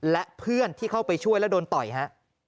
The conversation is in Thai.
และเพื่อนที่เข้าไปช่วยแล้วโดนต่อยฮะ